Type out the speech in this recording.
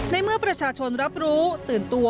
ในเมื่อประชาชนรับรู้ตื่นตัว